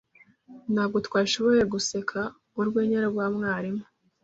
Ntabwo twashoboye guseka urwenya rwa mwarimu.